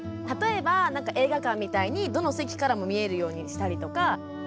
例えば映画館みたいにどの席からも見えるようにしたりとか。